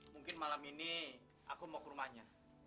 mungkin malam ini aku mau ke rumahnya